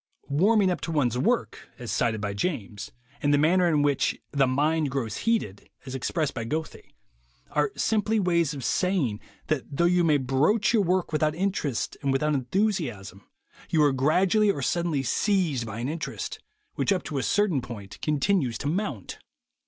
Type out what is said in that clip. "Warming up to one's work," as cited by James, and the manner in which "the mind grows heated," as expressed by Goethe, are simply ways of saying that though you may broach your work without interest and without enthusiasm, you are gradually or suddenly seized by an interest, which up to a certain point continues to mount.